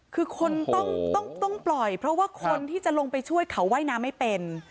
คือคนต้องปล่อยเพราะว่าคนที่จะลงไปช่วยเขาว่ายน้ำไม่เป็น